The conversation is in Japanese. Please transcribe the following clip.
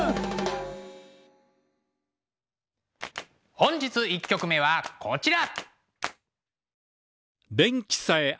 本日１曲目はこちら。